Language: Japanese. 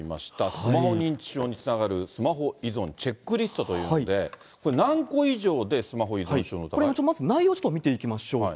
スマホ認知症につながるスマホ依存チェックリストということで、これ、何個以上で、これがまず内容、ちょっと見ていきましょうか。